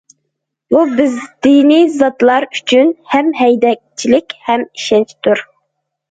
بۇ بىز دىنىي زاتلار ئۈچۈن ھەم ھەيدەكچىلىك ھەم ئىشەنچتۇر.